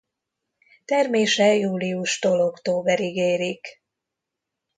Termése júliustól októberig érik.